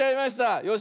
よし。